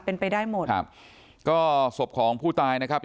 เป็นไปได้หมดครับก็ศพของผู้ตายนะครับ